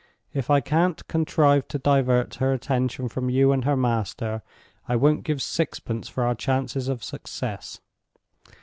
If I can't contrive to divert her attention from you and her master, I won't give sixpence for our chance of success.